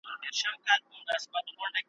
کشکي زما او ستا بهار لکه د ونو د شنېلیو ,